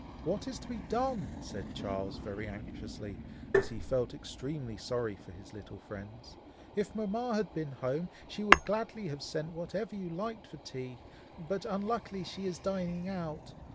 "What is to be done!" said Charles, very anxiously, as he felt extremely sorry for his little friends. "If Mama had been at home, she would gladly have sent whatever you liked for tea, but unluckily she is dining out!